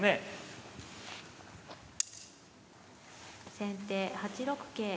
先手８六桂。